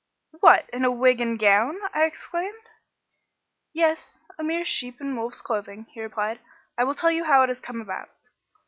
"What, in a wig and gown!" I exclaimed. "Yes, a mere sheep in wolf's clothing," he replied. "I will tell you how it has come about.